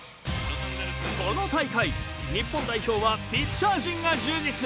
この大会日本代表はピッチャー陣が充実。